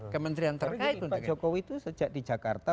kementerian terkait untuk jokowi itu sejak di jakarta